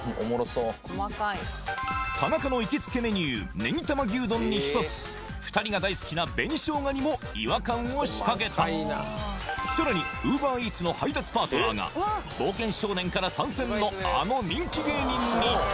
田中の行きつけメニューねぎ玉牛丼に１つ２人が大好きな紅しょうがにも違和感を仕掛けたさらにＵｂｅｒＥａｔｓの配達パートナーが「冒険少年」から参戦のあの人気芸人に！